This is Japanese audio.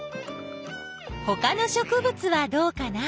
ほかの植物はどうかな？